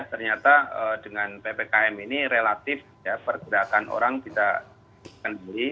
ternyata dengan ppkm ini relatif pergedakan orang tidak berdiri